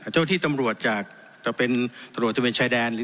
เจ้าที่ตำรวจจากจะเป็นตรวจที่เวียนชายแดน